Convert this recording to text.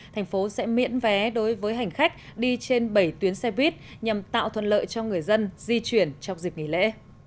thành phố sẽ miễn vé đối với hành khách đi trên bảy tuyến xe buýt nhằm tạo thuận lợi cho người dân di chuyển trong dịp nghỉ lễ